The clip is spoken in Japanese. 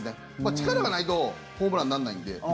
力がないとホームランにならないんで。